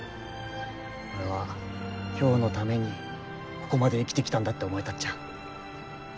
俺は今日のためにここまで生きてきたんだって思えたっちゃ。